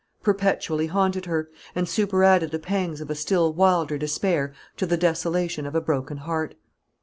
perpetually haunted her, and superadded the pangs of a still wilder despair to the desolation of a broken heart.